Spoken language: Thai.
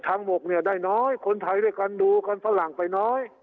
หมกเนี่ยได้น้อยคนไทยด้วยกันดูกันฝรั่งไปน้อย